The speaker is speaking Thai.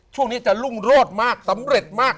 ช่วงนี้จะรุ่งโรธมากสำเร็จมาก